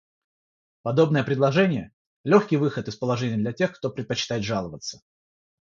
Подобное предложение — легкий выход из положения для тех, кто предпочитает жаловаться.